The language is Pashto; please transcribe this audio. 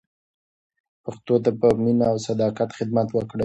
پښتو ته په مینه او صداقت خدمت وکړئ.